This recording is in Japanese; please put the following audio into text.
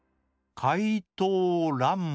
「かいとうらんま」。